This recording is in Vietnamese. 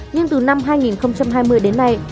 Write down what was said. nhưng từ năm hai nghìn hai mươi đến nay